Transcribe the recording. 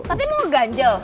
tentunya mau ngeganjel